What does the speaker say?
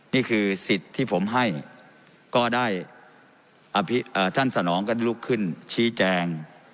นี่คือสิทธิ์ที่ผมให้ก็ได้ท่านสนองก็ลุกขึ้นชี้แจง